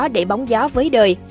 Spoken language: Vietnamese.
để bóng gió với đời